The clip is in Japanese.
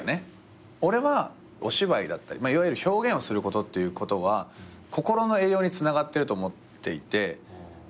俺はお芝居だったりいわゆる表現をすることは心の栄養につながってると思っていて。